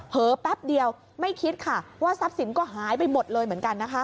แป๊บเดียวไม่คิดค่ะว่าทรัพย์สินก็หายไปหมดเลยเหมือนกันนะคะ